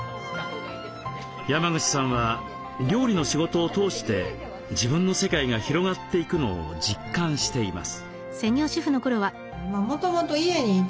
山口さんは料理の仕事を通して自分の世界が広がっていくのを実感しています。